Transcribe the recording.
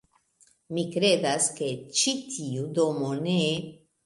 Mi kredas, ke ĉi tiu domo ne...